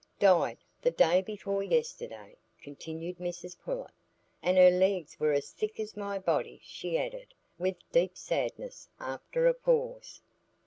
"Died the day before yesterday," continued Mrs Pullet; "an' her legs was as thick as my body," she added, with deep sadness, after a pause.